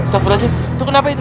safrul azzim itu kenapa itu